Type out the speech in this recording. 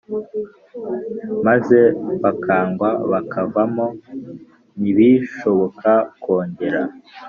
maze bakagwa bakavamo ntibishoboka kongera